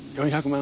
４００万！？